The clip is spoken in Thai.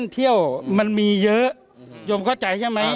เที่ยวมันมีเยอะโยมเข้าใจใช่ไหม